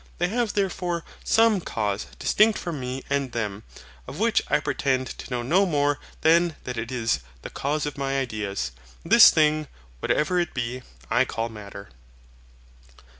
They have therefore SOME cause distinct from me and them: of which I pretend to know no more than that it is THE CAUSE OF MY IDEAS. And this thing, whatever it be, I call Matter.